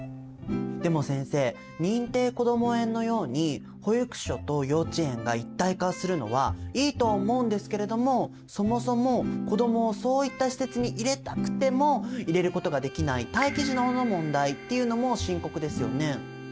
でも先生認定こども園のように保育所と幼稚園が一体化するのはいいと思うんですけれどもそもそも子どもをそういった施設に入れたくても入れることができない待機児童の問題っていうのも深刻ですよね。